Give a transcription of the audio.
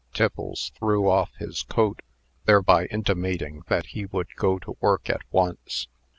Tiffles threw off his coat, thereby intimating that he would go to work at once.